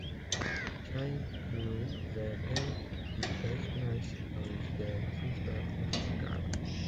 Sein Club Werder stieg erstmals aus der Fußball-Bundesliga ab.